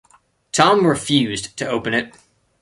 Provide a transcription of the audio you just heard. Tom refused to open it.